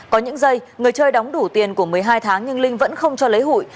có những dây người chơi đóng đủ tiền của một mươi hai tháng nhưng linh vẫn không cho lấy hụi